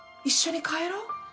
一緒に帰ろう。